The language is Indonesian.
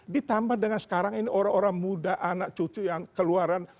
ditambah dengan sekarang ini orang orang muda anak cucu yang keluaran